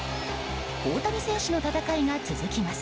大谷選手の戦いが続きます。